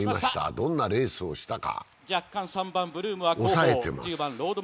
どんなレースをしたか。